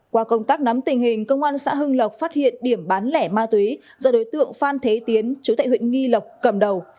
qua công tác nắm tình hình công an xã hưng lộc phát hiện điểm bán lẻ ma túy do đối tượng phan thế tiến chú tại huyện nghi lộc cầm đầu